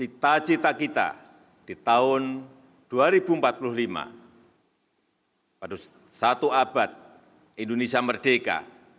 cita cita kita di tahun dua ribu empat puluh lima pada satu abad indonesia merdeka